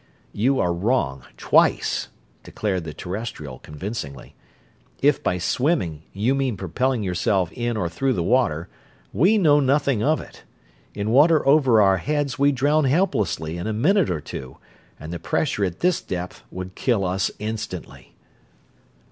"You are wrong, twice," declared the Terrestrial, convincingly. "If by 'swimming' you mean propelling yourself in or through the water, we know nothing of it. In water over our heads we drown helplessly in a minute or two, and the pressure at this depth would kill us instantly."